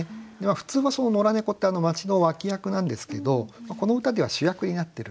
普通はその野良猫って町の脇役なんですけどこの歌では主役になってると。